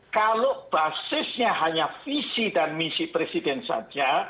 kalau basisnya hanya visi dan misi presiden saja